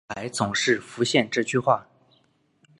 脑海总是浮现这句话